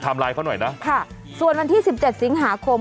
ไลน์เขาหน่อยนะค่ะส่วนวันที่สิบเจ็ดสิงหาคม